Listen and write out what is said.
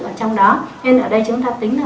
ở trong đó nên ở đây chúng ta tính